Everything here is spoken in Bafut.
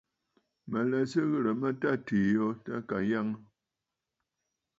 Mǝ̀ lɛ Sɨ ghirǝ mǝ tâ atiî yo tâ à Kanyaŋǝ.